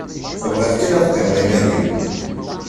Bɣiɣ kan ad qqimeɣ iman-iw.